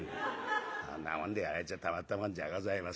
そんなもんでやられちゃたまったもんじゃございませんけれど。